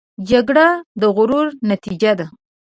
جګړه د غرور نتیجه ده